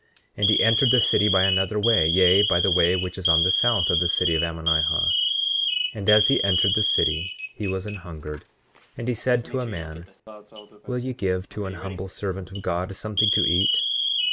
And he entered the city by another way, yea, by the way which is on the south of the city of Ammonihah. 8:19 And as he entered the city he was an hungered, and he said to a man: Will ye give to an humble servant of God something to eat?